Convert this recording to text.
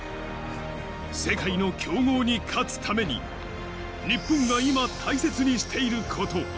世界の強豪に勝つために、日本が今、大切にしていること。